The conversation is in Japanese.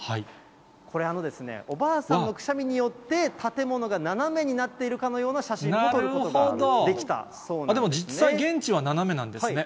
これ、おばあさんのくしゃみによって、建物が斜めになっているかのような写真を撮ることができたそうな実際、現地は斜めなんですね。